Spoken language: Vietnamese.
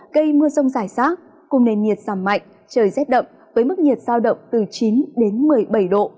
gây mưa sông giải sát cùng nền nhiệt giảm mạnh trời rét đậm với mức nhiệt giao động từ chín đến một mươi bảy độ